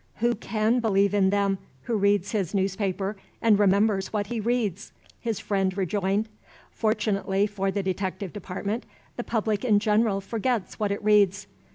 "Who can believe in them, who reads his newspaper and remembers what he reads?" his friend rejoined. "Fortunately for the detective department, the public in general forgets what it reads.